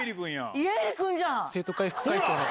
家入くんじゃん！